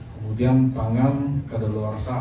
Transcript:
kemudian pangan ke deluar sah